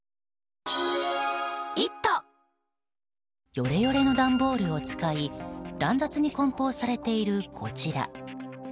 よれよれの段ボールを使い乱雑に梱包されている、こちら。